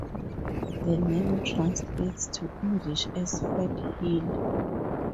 The name translates to English as "Fat Hill".